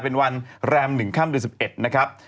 เป็นวันแรม๑ค่ำ๓๑นะครับ